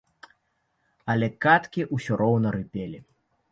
Але каткі ўсё роўна рыпелі.